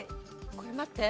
これ待って。